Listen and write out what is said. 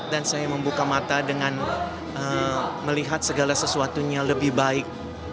dan saya membuka mata dengan melihat segala sesuatunya lebih baik